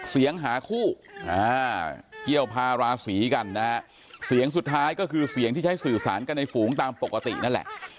หาคู่เกี่ยวพาราศีกันนะฮะเสียงสุดท้ายก็คือเสียงที่ใช้สื่อสารกันในฝูงตามปกตินั่นแหละ